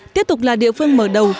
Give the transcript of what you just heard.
tiếp tục là địa phương mở đầu